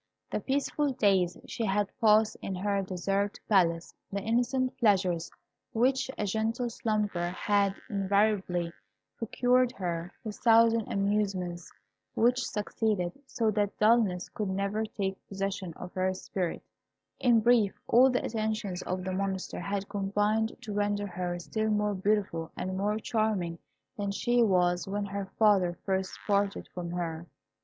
The peaceful days she had passed in her desert palace, the innocent pleasures which a gentle slumber had invariably procured her, the thousand amusements which succeeded, so that dullness could never take possession of her spirit, in brief, all the attentions of the Monster had combined to render her still more beautiful and more charming than she was when her father first parted from her.